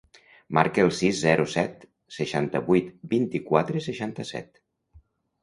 Marca el sis, zero, set, seixanta-vuit, vint-i-quatre, seixanta-set.